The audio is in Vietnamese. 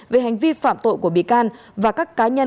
về hành vi phạm tội của bị can